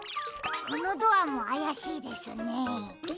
このドアもあやしいですね。